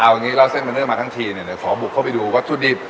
วันนี้เล่าเส้นเบอร์เนอร์มาทั้งทีขอบุกเข้าไปดูวัตถุดิบ